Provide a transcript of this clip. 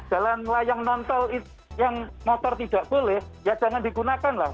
jalan lah yang nontel yang motor tidak boleh ya jangan digunakan lah